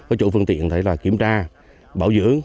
ở chỗ phương tiện thì là kiểm tra bảo dưỡng